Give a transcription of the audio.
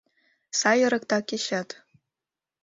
Сай ырыкта кечат.